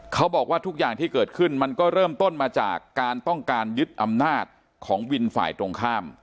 เขาบอกว่าทุกอย่างที่เกิดขึ้นมันก็เริ่มต้นมาจากการต้องการยึดอำนาจของวินฝ่ายตรงข้าม